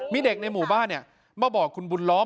มีเด็กในหมู่บ้านมาบอกคุณบุญล้อม